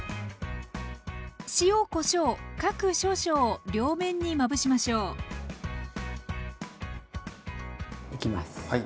塩・こしょう各少々を両面にまぶしましょう。いきます。